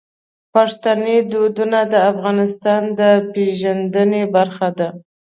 پښتني دودونه د افغانستان د پیژندنې برخه دي.